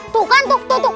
tuh kan tuh tuh